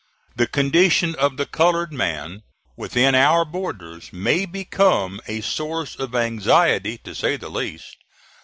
The condition of the colored man within our borders may become a source of anxiety, to say the least.